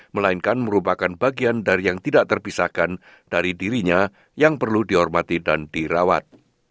melainkan merupakan bagian dari yang tidak terpisahkan dari dirinya yang perlu dihormati dan dirawat